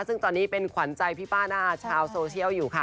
ซึ่งตอนนี้เป็นขวัญใจพี่ป้าหน้าชาวโซเชียลอยู่ค่ะ